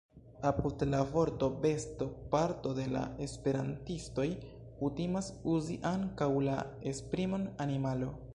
Apud la vorto „besto” parto de la esperantistoj kutimas uzi ankaŭ la esprimon „animalo”.